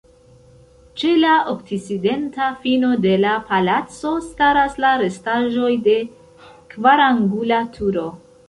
Ĉe la okcidenta fino de la palaco staras la restaĵoj de kvarangula turo.